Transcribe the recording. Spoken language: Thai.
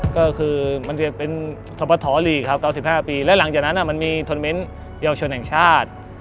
ก็คือมันจะเป็นทปฐลีกครับตอน๑๕ปีและหลังจากนั้นมันมีทนเมนต์เยาวชนแห่งชาติ